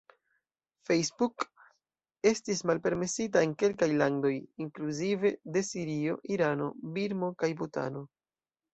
Facebook estis malpermesita en kelkaj landoj, inkluzive de Sirio, Irano, Birmo kaj Butano.